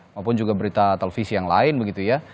maupun juga berita televisi yang lain begitu ya